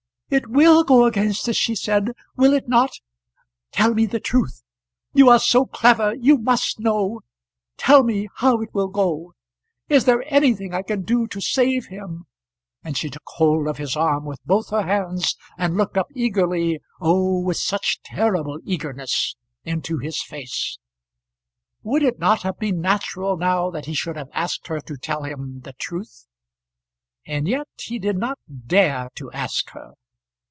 "It will go against us," she said. "Will it not? tell me the truth. You are so clever, you must know. Tell me how it will go. Is there anything I can do to save him?" And she took hold of his arm with both her hands, and looked up eagerly oh, with such terrible eagerness! into his face. Would it not have been natural now that he should have asked her to tell him the truth? And yet he did not dare to ask her.